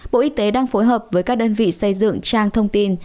bộ y tế đang phối hợp với các đơn vị xây dựng trang thông tin